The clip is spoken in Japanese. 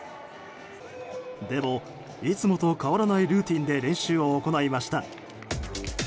でも、いつもと変わらないルーティンで練習を行いました。